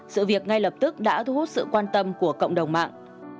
sự việc ngay lập tức đã thu hút sự quan tâm của cộng đồng mạng